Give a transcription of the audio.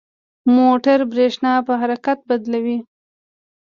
موټور برېښنا په حرکت بدلوي.